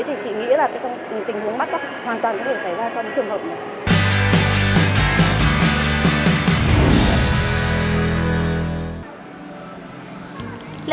thì chị nghĩ là tình huống bắt cắp hoàn toàn có thể xảy ra trong trường hợp này